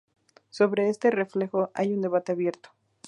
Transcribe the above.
Sobre este reflejo hay un debate abierto.